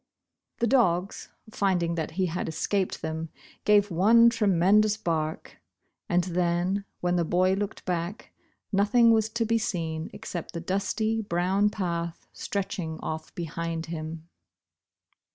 The dogs, find Bosh Bosh Oil. 23 ing that he had escaped them, gave one tremen dous bark, and then — when the boy looked back, nothing was to be seen except the dusty, brown path stretching off behind him.